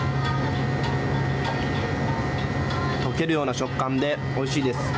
溶けるような食感でおいしいです。